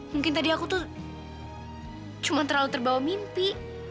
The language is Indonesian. mungkin tadi aku tuh cuma terlalu terbawa mimpi